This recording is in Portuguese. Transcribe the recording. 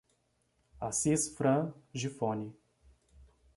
Assis Fran Gifone